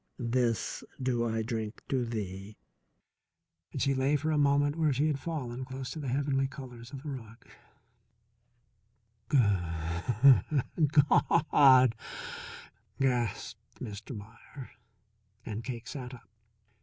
This do I drink to thee." She lay for a moment where she had fallen close to the heavenly colours of the rug. "Goo hood Gaw hud!" gasped Mr. Meier, and Cake sat up.